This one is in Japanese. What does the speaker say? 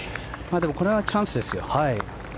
でもこれはチャンスですよ。